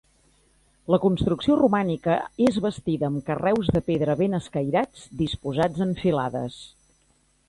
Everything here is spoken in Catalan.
La construcció romànica és bastida amb carreus de pedra ben escairats, disposats en filades.